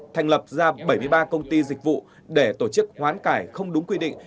thành lập ra bảy mươi ba công ty dịch vụ để tổ chức hoán cải không đúng quy định